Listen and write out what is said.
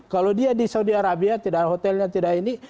kalau dia di saudi arabia tidak ada hotelnya tidak ini